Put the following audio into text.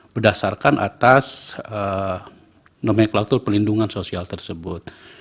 berdasarkan atas nomenklatur pelindungan sosial tersebut